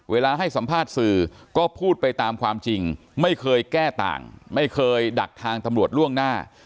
ให้สัมภาษณ์สื่อก็พูดไปตามความจริงไม่เคยแก้ต่างไม่เคยดักทางตำรวจล่วงหน้า